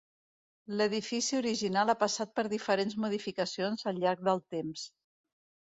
L'edifici original ha passat per diferents modificacions al llarg del temps.